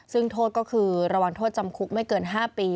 ซึ่งโทษก็คือระวังโทษจำคุกไม่เกิน๕ปี